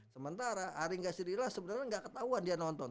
sementara haringa sirila sebenarnya gak ketahuan dia nonton